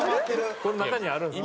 この中にあるんです。